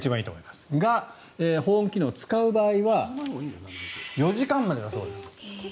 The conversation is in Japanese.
ですが、保温機能を使う場合は４時間までだそうです。